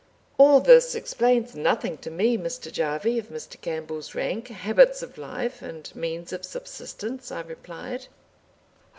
"All this explains nothing to me, Mr. Jarvie, of Mr. Campbell's rank, habits of life, and means of subsistence," I replied.